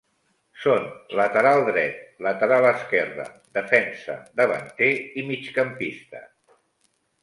Són lateral dret, lateral esquerra, defensa, davanter i migcampista.